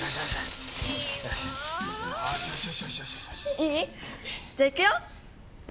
いい？じゃあいくよ！